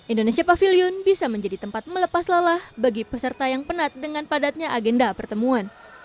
indonesia pavilion bisa menjadi tempat melepas lelah bagi peserta yang penat dengan padatnya agenda pertemuan